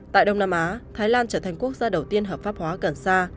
tại đông nam á thái lan trở thành quốc gia đầu tiên hợp pháp hóa gần xa